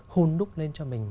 hôn đúc lên cho mình